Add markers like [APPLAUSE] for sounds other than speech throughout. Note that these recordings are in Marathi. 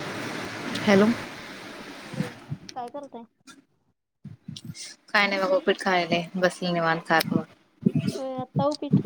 हो. हॅलो. हॅलो काय करताय. काय नाही बघा उपीट खायलेय बसले निवांत खात मग. होय आत्ता उपीट.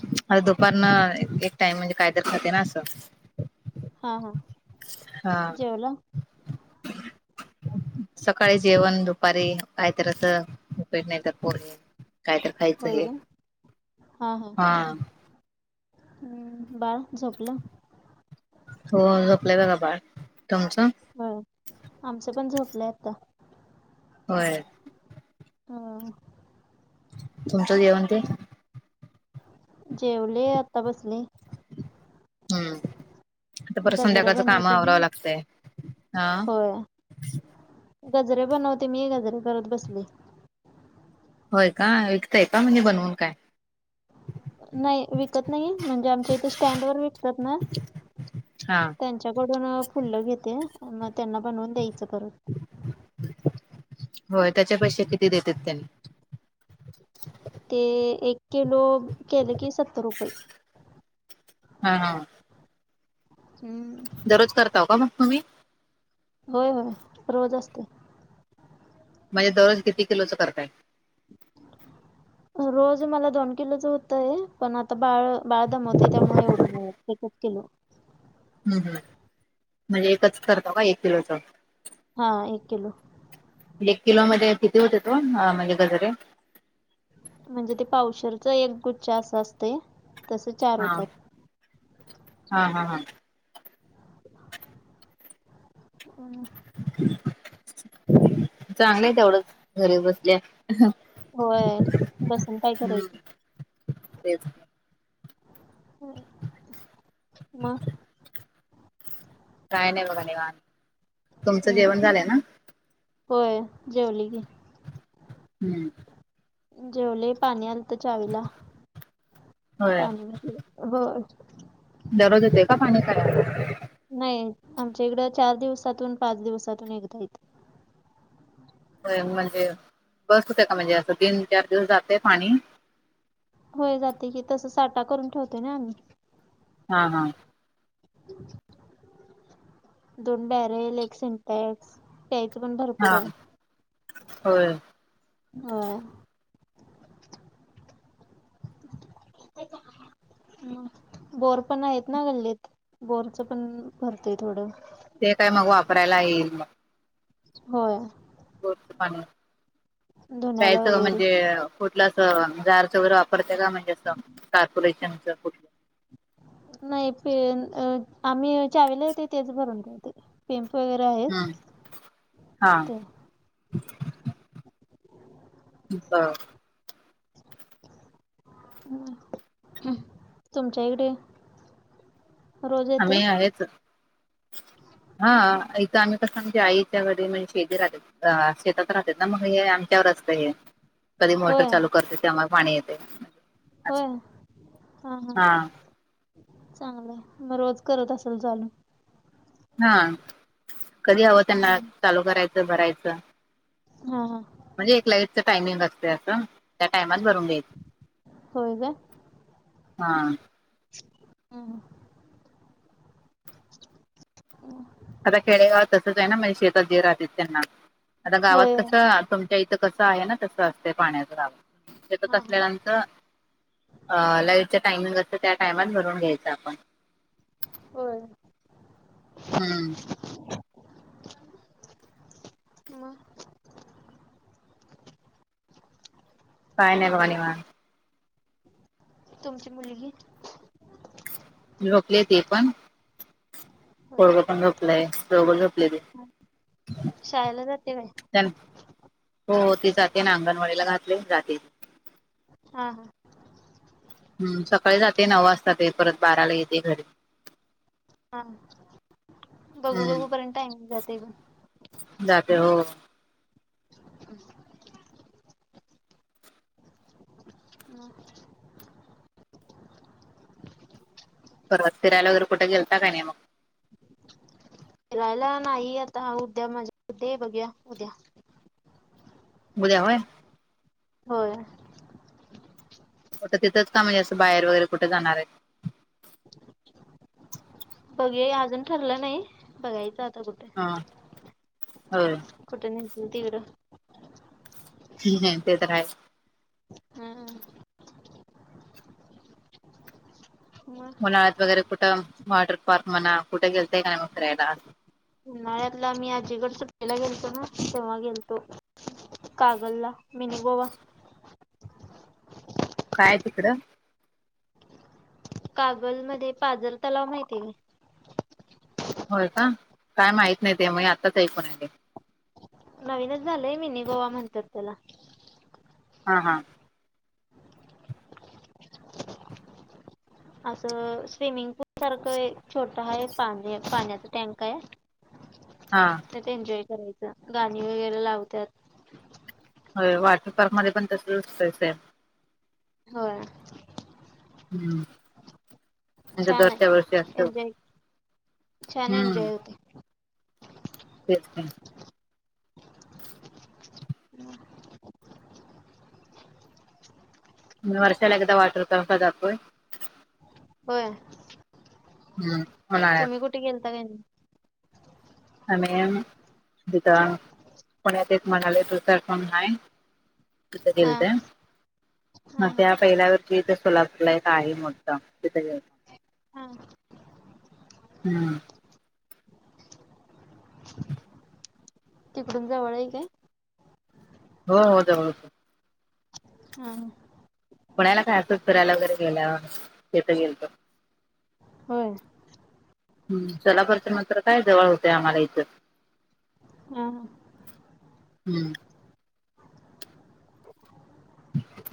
आत्ता दुपारनं एक टाइम म्हणजे कायतर खाते ना असं. हा हा. हां जेवला सकाळीं जेवणं दुपांरी कांहीतरी असं उपीट नाहीं तरं त्यां पोरगीतं कायं तरं खायचं होय हे का हां हम्मं बाळं झोपलां हो जोपलांय बघां बाळं तुमचं? हां आमचं पणं झोपलंय आताचं होयं हां तुमचं जेवणं ते जेवले आत्तां बंसले हम्मं आतां परंत गजरं संध्याकांळचं कामं बनवते ना आवरावं लागतंय हां होय. गजरे बनवते मी गजरे करतं बसलेयं होयं कां विकतांय कां म्हणजे बनवूंन कायं नाहीं विकतं नाहीं म्हणजे आमच्यां इथे स्टँड वरं विकतातं नां त्यां हा त्यांच्याकडूंन फुलं घेते मंग त्यांनां बनवूंन द्यायचं परंत होयं त्यांचे पैसे किती देतेतं त्यां ते एक किलो केले की सत्तर रुपये हां हां हम्मं दररोज करतां हो कां मंग तुम्हीं होयं होयं रोज असतें म्हणजे दररोज किती किलोचं करतांय रोज मलां दोन किलोचं होतं आहे पणं आतां बाळं बाळं दमवते त्यांमुळें एवढं नाहीं वाट किलो हंम हंम म्हणजे एकचं करतो कां एक किलोचं हां एक किलो एक किलो मध्यें किती होते तो म्हणंजे गजरे म्हणजे ते पावशेरचां एक गुच्छां असां असतें तसें चार होतात हां हां हां हं चांगलं आहे तेवढं घरी बसल्यां होयं बसूंन कायं करायचं तेचं मंग कायं नायं बघां निवांत तुमचं जेवणं झालंय नां होयं जेवली मी हम्मं जेवले पाणी आलंत चावीलां होय पाणी भरलं दररोज येतेयं का पाणी नळांला नाहीं आमच्या इकडं चार दिवसांतून पांच दिवसांतून एकदां येतेयं हो म्हणजे बसं होते कां म्हणजे असं तीनं चार दिवसं अते पाणी होयं जांते की तसं साठां करूंन ठेवतो नां आम्हीं हां हां दोन बॅरल एक सिंटेक्स पियांयच पणं हा भरंपूर आहे होय हं बोर पणं आहेतं नां गल्लीतं बोरचं पणं भरतंय थोडं ते कायं मंग वापरांयला येईल मंग होयं गो पा धुण्याला पयच वगैरे म्हणजे कुठलं अस जारचं वगैरे वापरते का म्हणजे असं कार्पोरेशनच कुठ? नाही प आम्ही चावीला येते तेच भरून ठेवते. पेमप वगैरे हम्म आहेत हा ते हा. [INAUDIBLE] हम् तुमच्या इकडे. रोज येते आमे आहेतच. [UNINTELLIGIBLE] हा इथं आम्ही कसं आमजे आईच्याकडे म्हणे शे राह. अ शेतात राहतात ना मग हे आमच्यावरच काय? कधी मोटर होय चालू करते त्यामुळे पाणी येते. असं होय हा हा. चांगलंय मग रोज करत असेल चालू. हा कधी हवं त्यांना हां चालू करायचं भरायचं. हा हा. म्हणजे एक लाइटच टाइमिंग असते असं त्या टायमात भरून घ्यायचं. होय हा. हम. आता खेडेगावात तसंच आहे ना म्हणजे शेतात ज राहत त्यांना आता गावात होय होय कसं तुम इथ कसं आहे ना तस असते पाण्याच त्यात हां हां असल्याल्यांत. अ लाईटच टायमिंग असतं त्या टायमात भरून घ्यायचं आपण होय हम्म. मग काय नाही बणी म. तुमची मुलगी. रोकले ते पण होय कोग का पण झोपलाय जव झोपले शाळेला जाते काय हो ते जाते ना अंगणवाडीला घातले जाते हा हा हम्म सकाळी जाते नऊ वाजता ते परत बाराला येते घरी. हा बघू हम्म. बघू पर्यंत आहे जाते ग जाते हो. हम् परत फिरायला वगर कुठे गेल का नाही मग फिरायला नाही आता उद्या मजा उद्या बघूया उद्या बुलाा होय. होय. तिंच का म्हणजें बार वगैरे कुठे जाणार आहे. बघे अजून ठरलं नाही बघायचं आता कुठे? हां हो. कुठे निंत तीवड हम् ह ते तर राहा हम्. मग उन्हाळत वगैरे कुठं वॉटर पार्क म्हणा कुठे गेलतय का म करायला उन्हाळ्यातला मी आजीकड सुट्टेला गेलतो ना जेव्हा गेलतो कागल मीन बोवा काय तिकडं. कागल मध्ये पाजल तलाव माहिती आहे होय का काय माहित नाही ते मग आत्ताच ऐकून आहे. नवीनच झालंय मिीनी गोवा म्हणतात त्याला हां हां असं स्विमिंग पूल सारखं एक छोटा आहे पाणी पाण्याचा टँक आहे. ह. हा त्यात एन्जॉय करायचं गाणी वगैरे लावतात. वाटर पार्क मध्ये पण तसं दिसतच आहे. हो. हम्म म्हणजे छान दरच्या्या वर्षी आहे असत एन्जॉय हम्म. हो. तेठी वर्षालागदा वाटर क क आप होय. हम्म. तुम्ही उन्हाळ्यात कुठे गेलता काय नाही. आम् जथ पुण्यात एक मनाले त पफम नाही त हा दित मग हा हा त्या पहिल्यावर जिथ सुलापलायक आहे मोठा तिथ. हा हम्म तिकडून जवळ आहे काय. हो हो जाऊ. हा. कोणाला काय असंच करायला वगैरे गेय तथं गेलतो. हो. हम् चलापरच्या मंत्र काय जवळ होते आम्हाला इथं हा हम्म.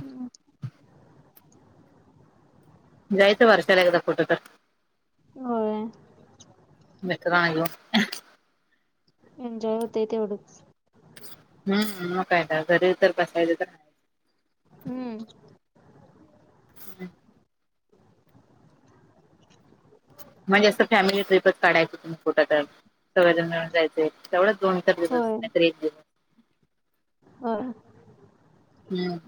हम्. जायच वर्षाला एकदा फोटो तर होय. मितित रा घो. एन्जॉय होतय तेवढंच. हम् मग कायदा घरी तर कसायच तर हम्म. हम्. म्हणजे असं फॅमिली ट्रिपच काढायच तुम खोटं. सग मिळून जायचं तेवढं दोन चार दिवस नाही एक दिवस. हो. हम्म.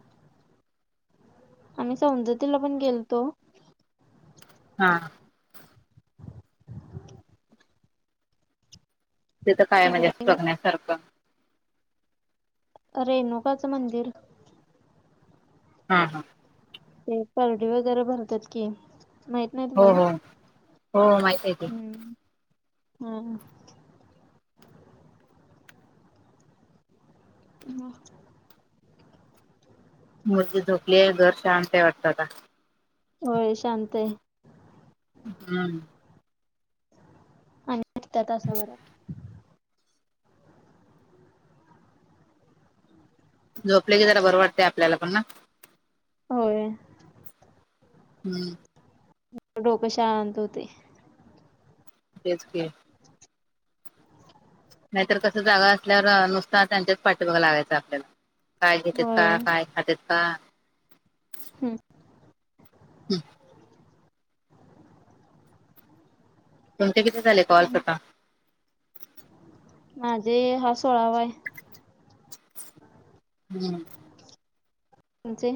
आम्ही समजतीला पण गेलतो. हा. तथ काय म्हणजे तिकडे काय बघण्यासारखं. रेणुकाचं मंदिर हां हां. ते परडी वगैरे भरतात की माहित नाही हो तुम्हाला हो हो माहित आहे की हम् हम. हम्. मुलगी झोपली आहे घर शांत वाटतात का? होय शांत आहे. हम्म. आणि त्या तसा बर. झोपले की जरा बरं वाटते आपल्याला पण ना. होय. हम्म. डोक शांत होते. तेच, की. नाहीतर कसं जागा असल्यावर नुसता त्यांच्याच पाठी मागे लागायचं आपल्याला. काय घेतेत का होय काय खातेत का? हम्म. हम. तुमचे किती झाले कॉल्स आता? माझे हा सोळावा आहे. हम्म. तुमचे?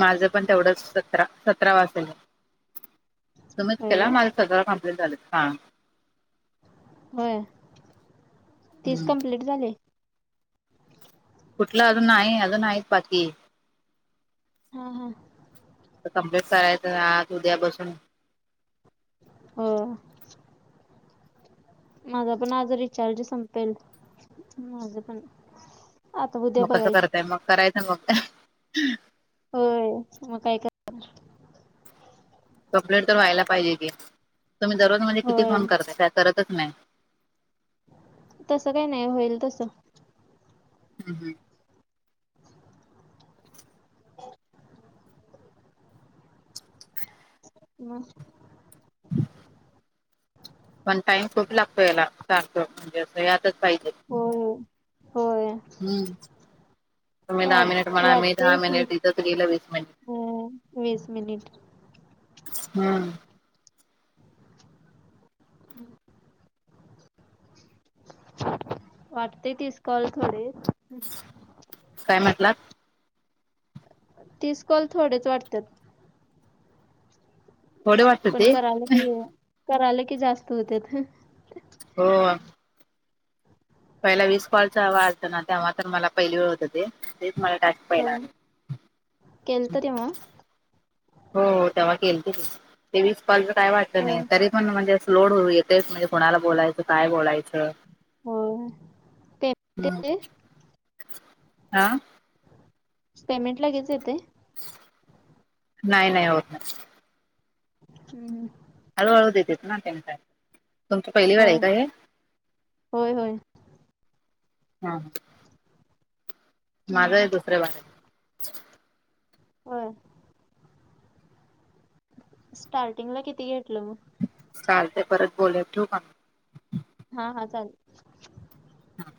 माझं पण तेवढंच सतरा सतरावा असल तुम्हीच होय केला काय माझ सगळं कम्प्लीट झालं हा. होय. तीस हम्म. कम्प्लीट झाले. कुठलं अजून आहे अजून आहेत बाकी. हा हा. आ कम्प्लीट करायचं आह उद्या बसून. हो. माझा पण आज रिचार्ज संपेल माझ पण. आता उद्या मग कसं बघायचं करतय मग करायचं मग. होय मग काय. ह. चॉपलेट तर व्हायला पाहिजे की तुम्ही दररोज म्हणजे किती होय फोन करताय का करतच नाही. तसं काही नाही होईल तसं. हं हं. हम्. पण टाईम खूप लागतो याला सारख म्हणजे अस यातच पाहिजे. होय होय. होय हम्म. तुम्ही दहा वाट मिनिट म्हणा मी दहा वाटतंय तीस मिनिट दिथत गेलं वीस मिनिट. अं, वीस मिनिट हम्म. वाटते मिस कॉल थोडे काय म्हटला? तीस कॉल थोडेच वाटतात. थोडे वाटत पण ते कराल की कराल की जास्त होत. हो. पहिला वीस कॉलचा जवा ना तेव्हा तर मला पहिली वेळ होत तेच मला ट होय केलतं तेव्हा? हो तेव्हा केल त ते वस पॉलच काय वाटलं नाही होय तरी पण म्हणजे असं लोड होऊ. तेच म्हणजे कुणाला बोलायचं काय बोलायचं. होय पेमेंट येते आ. पेमेंट लगेच येतोय? नाही नाही हो. हम्म हम्म. हळूहळू देतेत ना त्यां तुमची पहिली वेळ होय आहे काय हे. होय होय. हा माझ आहे दुसर्या वार. आहे होय स्टार्टिंगला किती घेतलं मग. चालते परत बोलेत ठेक. हा हा चालेल. हम.